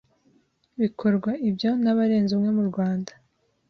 bikorwa ibyo n'abarenze umwe mu Rwanda